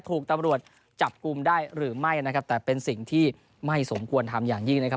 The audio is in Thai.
ถูกตำรวจจับกลุ่มได้หรือไม่นะครับแต่เป็นสิ่งที่ไม่สมควรทำอย่างยิ่งนะครับ